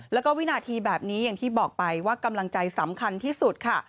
แล้วก็วินาทีแบบนี้อย่างที่บอกไปว่ากำลังใจสำคัญที่สุดค่ะ